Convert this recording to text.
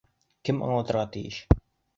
Кем аңлатырға тейеш?